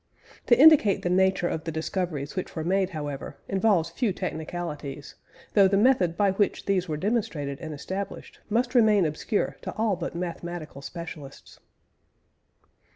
To indicate the nature of the discoveries which were made, however, involves few technicalities: though the method by which these were demonstrated and established must remain obscure to all but mathematical specialists.